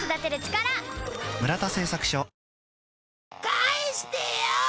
返してよ！